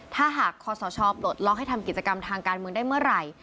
ถ้าหากคอสชปลดล็อกให้ทำกิจกรรมทางการเมืองได้เมื่อไหร่